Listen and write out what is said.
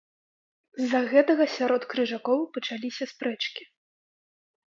З-за гэтага сярод крыжакоў пачаліся спрэчкі.